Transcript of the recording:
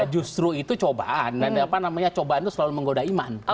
justru itu cobaan dan apa namanya cobaan itu selalu menggoda iman